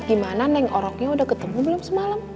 gimana neng oroknya udah ketemu belum semalam